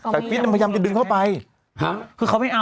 ใช่ผู้หญิงเขาไม่ยอมเข้าไป